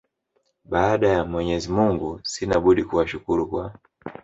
Baada ya Mwenyezi mungu sina budi kuwashukuru kwa